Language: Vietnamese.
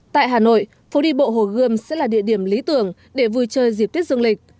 tại hà nội phố đi bộ hồ gươm sẽ là địa điểm lý tưởng để vui chơi dịp tuyết dương lịch